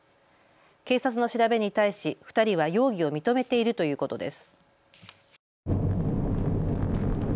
警察の調べに対し２人は容疑を認めているということです。